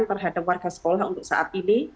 terhadap warga sekolah untuk saat ini